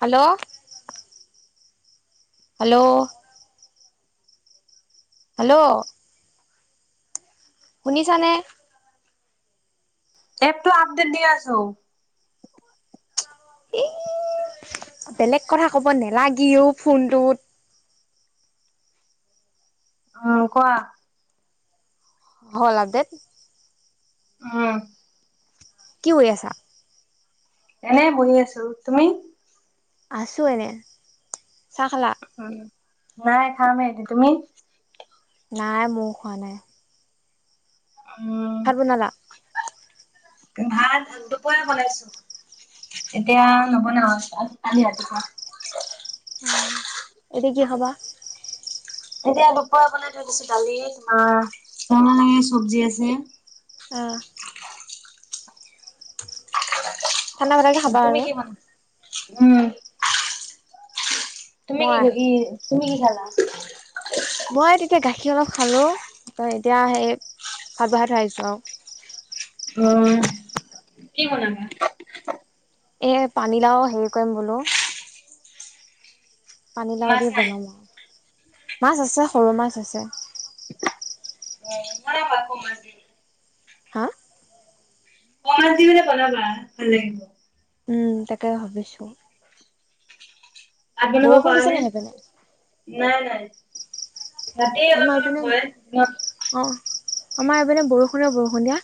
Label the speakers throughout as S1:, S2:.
S1: Hello. Hello. Hello. শুনিছানে?
S2: এপটো update দি আছো।
S1: এ বেলেগ কথা ক'ব নালাগিও ফোনটোত।
S2: অ কোৱা?
S1: হ'ল আপডেট?
S2: অহ।
S1: কি কৈ আছা?
S2: এনেই বহি আছো। তুমি?
S1: আছো এনে। চা খালা?
S2: নাই খামহে এতে। তুমি?
S1: নাই মোৰ খোৱা নাই।
S2: উম
S1: ভাত বনালা?
S2: ভাত দুপৰীয়া বনাইছো। এতিয়া
S1: অ',
S2: নবনাও [unintelligible] কালি ৰাতিপুৱা।
S1: অ এতিয়া কি খাবা?
S2: এতিয়া দুপা বনাই থৈ দিছো দালি তোমাৰ তই চব্জি আছে।
S1: আ। ঠাণ্ডা পেলাকে খাবা
S2: তুমি
S1: আৰু।
S2: কিমান, উম। তুমি কি
S1: মই
S2: কৈ ই তুমি কি খালা?
S1: মই তেতিয়া গাখীৰ অলপ খালো ত এতিয়া সেই ভাত বহাই থৈ আহিছো আও।
S2: অ, কি বনাবা?
S1: এ পানীলাও সেই কৰিম বোলো। পানীলাও দি
S2: মাছ নাই
S1: বনাম আও মাছ আছে সৰু মাছ আছে।
S2: [unintelligible] [unintelligible]
S1: হা?
S2: ক মাছ দি কিনে বনাবা ভাল লাগিব।
S1: উম তাকে ভাবিছো।
S2: [unintelligible] নাই নাই।
S1: বৰষুণ দিছে
S2: ৰাতিয়ে
S1: নি সেইপিনে? আমাৰ
S2: অলপ
S1: এইপিনে
S2: অলপ ভয় দিনত
S1: অ আমাৰ এইপিনে বৰষুণে বৰষুণ দিয়া।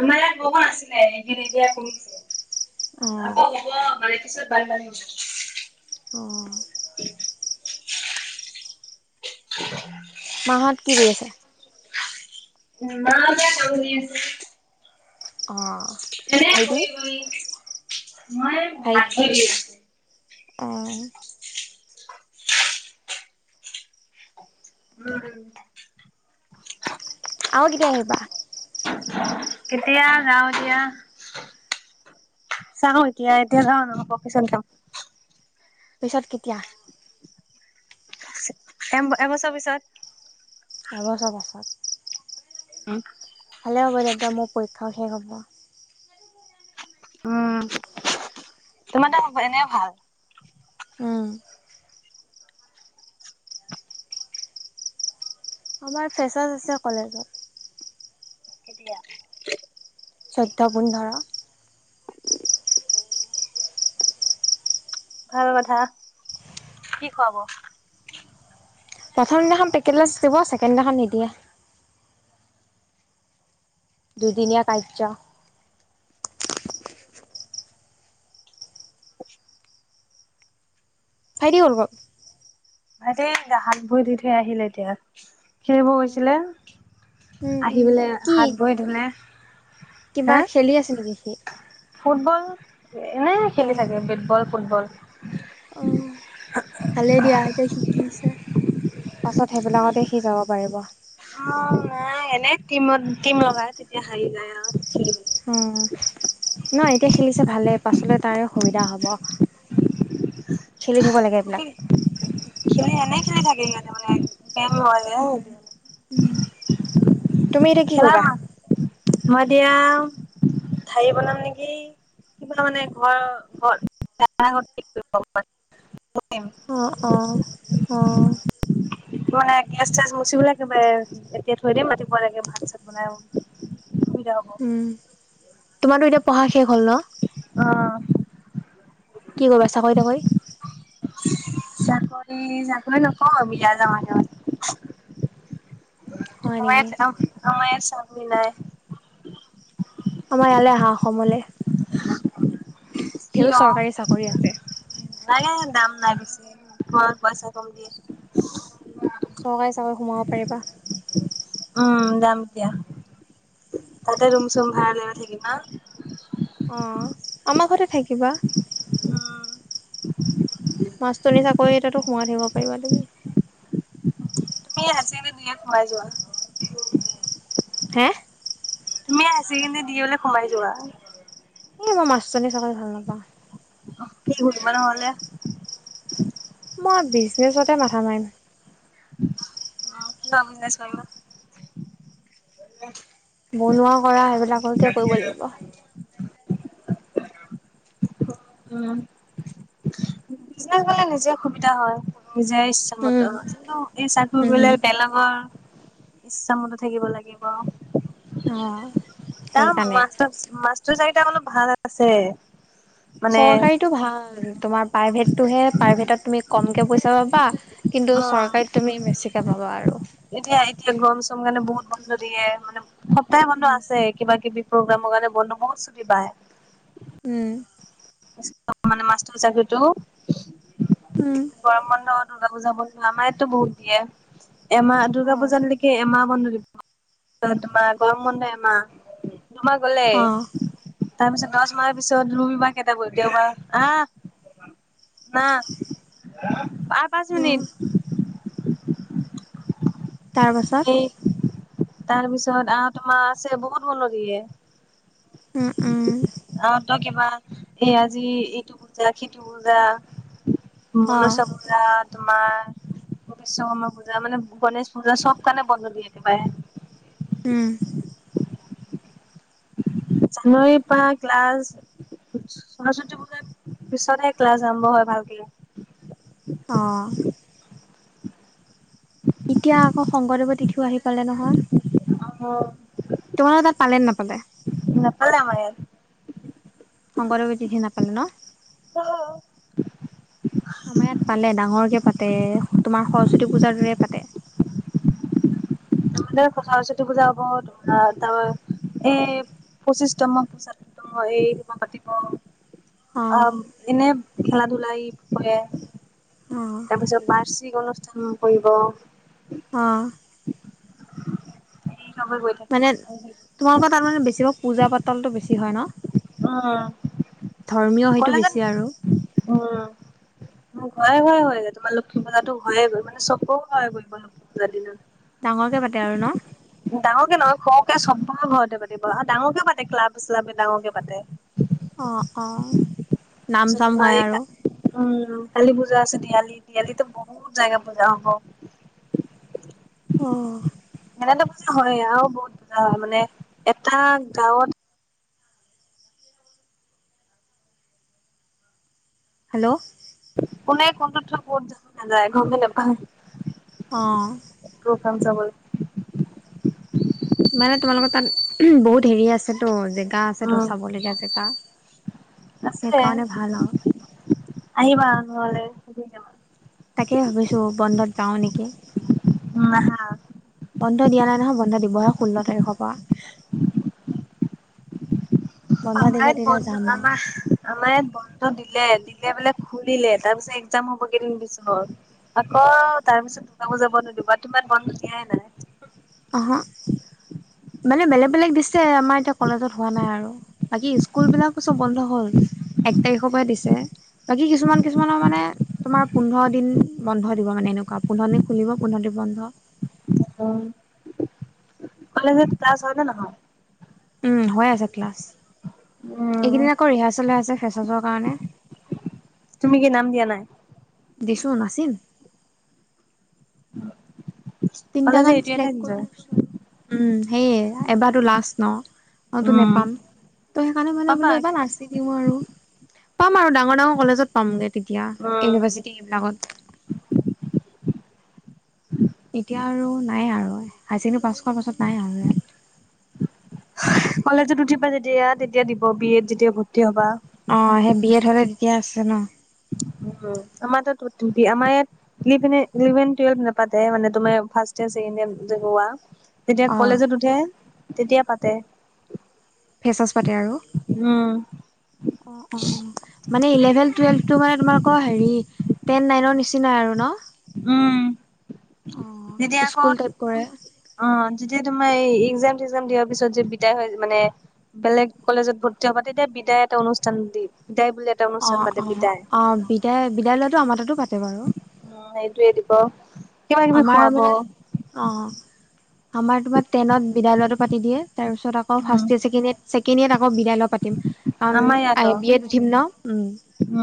S2: আমাৰ ইয়াত বৌষণ আছিলে এইকেদিত এতিয়া কমিছে।
S1: অ
S2: আকৌ হ'ব মানে পিছত বানপানী হ'ব।
S1: অঁ মাহত কি কৰি আছে?
S2: মা হঁতে কাম কৰি আছে
S1: অঁ। ভাইট
S2: [inaudible]
S1: অ'।
S2: উম।
S1: আৰু কেতিয়া আহিবা?
S2: কেতিয়া যাওঁ এতিয়া চাওঁ এতিয়া এতিয়া যাওঁ নহ'ব কিচোন যাওঁ।
S1: পিছত কেতিয়া‌?
S2: এ এবছৰ পিছত।
S1: এবছৰ পাছত।
S2: [inaudible]
S1: ভালে হ'ব তেতিয়া মোৰ পৰীক্ষাও শেষ হ'ব।
S2: উম তোমাৰ তাত এনেও ভাল।
S1: উম আমাৰ ফেচছ আছে কলেজত।
S2: কেতিয়া?
S1: চৈধ্য, পোন্ধৰ।
S2: [inaudible] ভাল কথা, কি খুৱাব‌?
S1: প্ৰথমদিনাখন পেকেট লজ দিব ছেকেণ্ড দিনা খন নিদিয়ে। দুদিনীয়া কাৰ্য্য।
S2: [inaudible]
S1: ভাইটি ক'ত গ'ল?
S2: ভাইটি হাত-ভৰি ধুই থৈয় আহিলে এতিয়া খেলিব গৈছিলে।
S1: উম উম
S2: আহি পেলাই
S1: কি
S2: হাত ভৰি ধুলে।
S1: কিবা
S2: হা
S1: খেলি আছে নেকি সি‌?
S2: ফুটবল এনেই খেলি থাকে বেটবল ফুটবল।
S1: আহ ভালেই দিয়া এতিয়া শিকিছে। পাছত সেইবিলাকতে সি যাব পাৰিব।
S2: অ নাই এনে টিমত টিম লগাই তেতিয়া সাৰি যায় আৰু খেলিব।
S1: উম নাই এতিয়া খেলিছে ভালে পাছলে তাৰে সুবিধা হব। খেলি থাকিব লাগে এইবিলাক।
S2: [inaudible]
S1: তুমি এতিয়া কি
S2: খেলা
S1: কৰিবা?
S2: মা মই এতিয়া ঠাৰি বনাম নেকি। কিবা মানে ঘৰ [inaudible]
S1: অঁ অঁ অঁ।
S2: মই মানে গেছ- চেছ মুচিবেলাগ একেবাৰে এতিয়া থৈ দিম ৰাতিপুৱা লৈকে ভাত চাত বনাই আৰু [inaudible]
S1: উম, তোমাৰো এতিয়া পঢ়া শেষ হ'ল ন?
S2: অ।
S1: কি কৰিবা চাকৰি তাকৰি?
S2: চাকৰি চাকৰি নকৰোঁ মিলা যাওঁ মাজে মাজে।
S1: হয়
S2: আমাৰ
S1: নেকি
S2: চাক--আমাৰ চাকৰি নাই।
S1: আমাৰ ইয়ালে আহা অসমলে ধেই চৰকাৰী চাকৰি আছে।
S2: নাইয়ে দাম নাই বেছি ঘৰত পইচা কম দিয়ে।
S1: চৰকাৰী চৰকাৰি সোমাব পাৰিবা?
S2: উম, যাম এতিয়া তাতে ৰুম-চুম ভাড়া লৈ থাকিম হাঁ।
S1: অঁ, আমাৰ ঘৰতে থাকিবা।
S2: উম।
S1: মাষ্টৰনী চাকৰি এটাতো সোমাই থাকিব পাৰিবা তুমি।
S2: তুমি হাই ছেকেণ্ডেৰী দি হ'লে সোমাই যোৱা।
S1: হেঁহ্।
S2: তুমি হাই ছেকেণ্ডাৰী দি হ'লে সোমাই যোৱা।
S1: ই মই মাষ্টৰনী চাকৰী ভাল নাপাওঁ।
S2: অহ্, কি কৰিবা নহ'লে?
S1: মই বিজনেজটে মাথা নাৰিম।
S2: আঁ কিবা বিজনেছ কৰিবা? অঁ।
S1: বনোৱা কৰা সেইবিলাককে কৰিব লাগিব।
S2: উম। বিজনে হ'লে নিজে সুবিধা হয়, নিজে ইচ্ছা মতে
S1: উম,
S2: হ'য় কিন্তু এই চাক চাকৰী হ'লে
S1: উম।
S2: বেলেগৰ ইচ্ছা মতে থাকিব লাগিব।
S1: অ',
S2: তাম
S1: সেইকাৰণে।
S2: মাষ্টাৰ্ছ মাষ্টৰ চাৰিটা হ'লো ভাল আছে। মানে
S1: চৰকাৰীটো ভাল, তোমাৰ প্ৰাইভেটটোহে প্ৰাইভেটত তুমি কমকে পইচা পাবা কিন্তু
S2: উম
S1: চৰকাৰীত তুমি বেছিকে পাবা আৰু।
S2: এতিয়া এতিয়া গৰম- চৰম কাৰণে বহুত বন্ধ দিয়ে মানে, সপ্তাহে বন্ধ
S1: উম,
S2: আছে কিবা-কিবি প্ৰগ্ৰামৰ কাৰণে বন্ধ বহুত ছুটী পায়।
S1: উম।
S2: অঁ মানে মাষ্টৰ চাকৰিটো।
S1: উম।
S2: গৰম বন্ধ, দুৰ্গা পূজা বন্ধ আমাৰ ইয়াতটো বহুত দিয়ে। এমাহ দুৰ্গা
S1: হয়,
S2: পূজালৈক কে এমাহ বন্ধ দিব তাৰপিছত তোমাৰ গৰম বন্ধ এমাহ দুমাহ গ'লেই
S1: অ',
S2: তাৰপিছত দশমাহৰ পিছত ৰবিবাহ এটাবই দেউবাৰ আঁ না। পা পাঁচ
S1: উম,
S2: মিনিট।
S1: তাৰপাছত
S2: তাৰপিছত আঁ তোমাৰ আছে বহুত বন্ধ দিয়ে।
S1: উম, উম।
S2: আৰুটো কিবা এই আজি ইটো পূজা, সিটো পূজা।
S1: অ',
S2: মনসা পূ পূজা, তোমাৰ বিশ্বকৰ্মা পূজা মানে গণেশ পূজা চব কাৰণে বন্ধ দিয়ে একেবাৰে।
S1: উম।
S2: জানুৱাৰীৰ পৰা ক্লাছ সৰস্বতী পূজাত পিছতহে ক্লাছ আৰম্ভ হয় ভালকে।
S1: অঁ।
S2: উট্।
S1: এতিয়া আকৌ শংকৰদেৱৰ তিথিও আহি পালে নহয়।
S2: অঁ, হ
S1: তোমালোকৰ তাত পালে নাপালে?
S2: নাপালে ক ইয়াত
S1: শংকৰদৱে তিথি নাপালো ন
S2: আহ
S1: আমাৰ ইয়াত পালে ডাঙৰকে পাতে তোমাৰ সৰস্বতী পূজাৰ দৰে পাতে
S2: তহলে কথা হছ ত পূজা হ ধৰা তাৰ এ পঁচিশতমক পূজাত এই পাতিব অ এনে খেলা ধূলা কৰে
S1: অঁ
S2: তাৰপিছত বাৰ্ষিক অনুষ্ঠান কৰিব
S1: অ
S2: স চবে গৈ থাকে
S1: মানে তোমালোকৰ তাত মানে বেছিভাগ পজা পাতলটো বেছি ন
S2: উম
S1: ধৰ্মীয় সেইটো বেছি আৰু
S2: ঘয়ে ঘৰে হৈ গ তোমাৰ লক্ষী পূজাটো হয়ে গে মানে চবো ঘে বদি ন
S1: ডাঙৰকে পাতে আৰু ন
S2: ডাঙৰ কে নহয় সৰুকে চবৰে ঘৰতে পাতি আৰু ডাঙৰকে পাতে ক্লাব চ্লাবে ডাঙৰকে পাতে
S1: অঁ অঁ নাম
S2: তাৰপিছত
S1: চাম
S2: তোমাৰ
S1: হয়
S2: এই
S1: আৰু
S2: উম কালি পূজা আছে দেৱালিটো দেৱালিটো বহুত জাগাত পূজা হব
S1: অঁ
S2: এনেটো পূজা হয় আৰু বহুত বুজা হয় মানে এটা গাঁৱত
S1: হেল্ল'
S2: কোনে কোনটো থ ক'ত যাব নাযায় গমে নাপায়
S1: অঁ
S2: প্ৰগ্ৰাম জাব
S1: মানে তোমালোকৰ তাত বহুত হেৰি আছেতো জেগা আছেতো
S2: উম
S1: চাবলগীয়া জেগা
S2: আছে
S1: সেইকাৰণে ভাল আৰু
S2: আহিবা নহ'লে স যাবা
S1: তাকেই ভাবিছো বন্ধত যাওঁ নেকি
S2: উম হা
S1: বন্ধ দিয়া নাই নহয় বন্ধ দিবহে ষোল্ল তাৰিখৰ পৰা বন্ধ দিলে
S2: আমাৰ
S1: তেতিয়া
S2: বন্ধু
S1: যাম আৰু
S2: আমাৰ আমাৰ ইয়াত বন্ধ দিলে দিলে বলে খুলিলে তাৰপিছত একজাম হ'ব কেইদিন পিছত আকৌ তাৰ পিছত দুৰ্গাপূজাৰ বন্ধ দিবা তোমাৰ বন্ধ দিয়াই নাই
S1: আহ মানে বেলেগ বেলেগ দি ছে আমাৰ এতিয়া কলেজত হোৱা নাই আৰু বাকী স্কুল বিলাকো চব বন্ধ হ'ল এক তাৰিখৰ পৰাই দিছে বাকী কিছুমান কিছুমানৰ মানে তোমাৰ পোন্ধৰ দিন বন্ধ দিব মানে এনেকুৱা পোন্ধৰ দিন খুলিব পোন্ধৰ দিন বন্ধ
S2: উ কলেজত ক্লাছ হয়নে নহয়
S1: উম হৈ আছে ক্লাছ এইকেইদিন আকৌ ৰিহাৰ্চেল হৈ আছে ফেচাছৰ কাৰণে
S2: তুমি কি নাম দিয়া নাই
S1: দিচো নাচ তিনিটা
S2: কলেজ যে
S1: গান
S2: এইটো এটা
S1: চিলক্ট
S2: এনজয়
S1: কৰিলো উম সেইয়ে এবাৰটো লাষ্ট ন অ তো নেপাম ত' সেইকাৰণে মানে
S2: পাবা
S1: বোলো এবাৰ লাষ্ট আৰু পাম আৰু ডাঙৰ ডাঙৰ কলেজত পামগে তেতিয়া ইউনিভাৰ্চিটি এইবিলাকত এতিয়া আৰু নাই আৰু হায়াৰ ছেকেণ্ডেৰী পাছ কৰাৰ পাছত নাই আৰু ইয়াত
S2: কলেজত উঠিবা যেতিয়া তেতিয়া দিব বিএত যেতিয়া ভৰ্তি হবা
S1: অ সেই বি এড হলে তেতিয়া আছে ন
S2: উম আমাৰ তাত [unintelligible] আমাৰ ইয়াত এলিভেনে, এলিভেন টোৱেলভ নাপাতে মানে তুমি ফাৰ্ষ্ট ইয়েৰ চেকেণ্ড ইয়েৰ যে হোৱা যেতিয়া
S1: অ'
S2: কলেজত উঠে তেতিয়া পাতে।
S1: ফেছৱাছ পাতে আৰু
S2: উম
S1: অ অ মানে ইলেভেন টুৱেলভ টো মানে তোমাকৰ হেৰি টেন নাইনৰ নিচিনাই আৰু ন
S2: উম
S1: অ'
S2: তেতিয়া আকৌ
S1: স্কুল টাইপ কৰে।
S2: অ যেতিয়া তোমাৰ এই এক্সাম তেকজম দিয়াৰ পিছত যে বিদায় হয় মানে বেলেগ কলেজত ভৰ্তি হবা তেতিয়া বিদায় এটা অনুষ্ঠান দি বিদায় বুলেট
S1: অ অ অ বিদায় বিদায় লোৱাটো আমাৰ তাতো পাতে বাৰু
S2: অহ সেইটোৱে টোক
S1: আমাৰ মানে অ আমাৰ তোমাৰ টেনত বিদায় লোৱাটো পাতি দিয়ে তাৰপিছত আকৌ
S2: উম
S1: ফাৰ্ষ্ট ইয়েৰ চেকেণ্ড ইয়েত ছেকেণ্ড ইয়েত আকৌ বিদায় লোৱা পাতিম
S2: আমাৰ ইয়াত
S1: কাৰণ
S2: অ
S1: বি এত উঠিম ন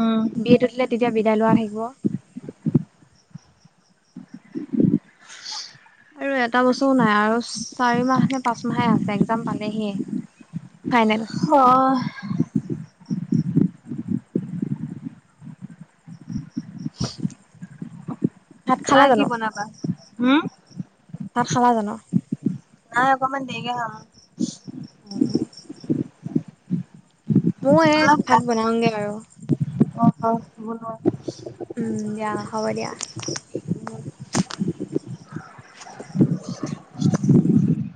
S2: উম
S1: বি এ উঠিলে তেতিয়া বিদায় লোৱা থাকিব আৰু এটা বসও নাই আৰু চাৰি মাহ নে পাঁচ মাহে আছে একজাম পালেহিয়ে ফাইনেল
S2: হ
S1: [inaudible] ভাত খালা
S2: আৰু কি
S1: জানো,
S2: বনাবা উম
S1: ভাত খালা জানো
S2: নাই অকমান দেৰিকে খাম
S1: উম ময়ে এই
S2: অলপ
S1: ভাত
S2: ৰা
S1: বনাওঁগে আৰু
S2: অ অ হ'ব ন
S1: উম দিয়া হ'ব দিয়া